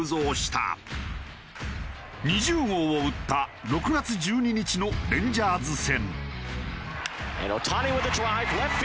２０号を打った６月１２日のレンジャーズ戦。